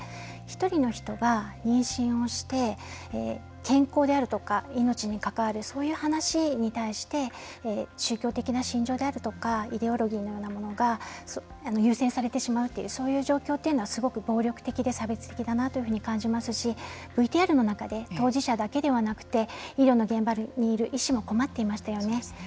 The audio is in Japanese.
１人の人が妊娠をして健康であるとか命に関わるそういう話に対して宗教的な信条であるとかイデオロギーのようなものが優先されてしまうというそういう状況というのはすごく暴力的で差別的だなというふうに感じますしＶＴＲの中で当事者だけではなくて医療の現場にいる医師も困っていましたよね。